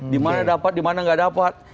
dimana dapat dimana gak dapat